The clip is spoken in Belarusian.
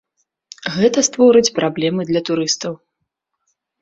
Гэта створыць праблемы для турыстаў.